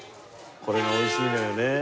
これが美味しいのよねえ。